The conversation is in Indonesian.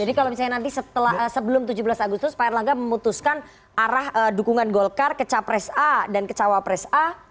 jadi kalau misalnya nanti sebelum tujuh belas agustus pak erlangga memutuskan arah dukungan golkar ke capres a dan ke cawapres a